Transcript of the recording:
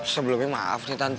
sebelumnya maaf nih tante